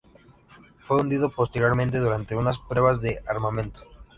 Fue hundido posteriormente durante unas pruebas de armamento.